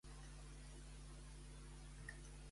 Em mostres les últimes notícies sobre la pòlio?